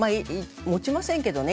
もちませんけどね